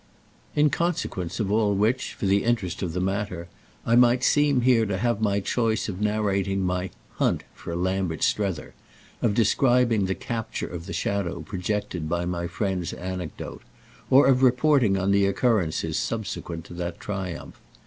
In consequence of all which, for the interest of the matter, I might seem here to have my choice of narrating my "hunt" for Lambert Strether, of describing the capture of the shadow projected by my friend's anecdote, or of reporting on the occurrences subsequent to that triumph.